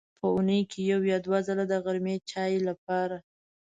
په اوونۍ کې یو یا دوه ځله د غرمې چای لپاره.